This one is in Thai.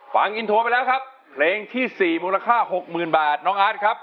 ฟังอินโทรไปแล้วครับเพลงที่๔มูลค่า๖๐๐๐บาทน้องอาร์ตครับ